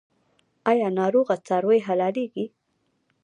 آیا ناروغه څاروي حلاليږي؟